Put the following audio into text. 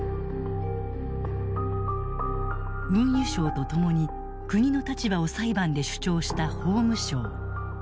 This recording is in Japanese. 運輸省と共に国の立場を裁判で主張した法務省。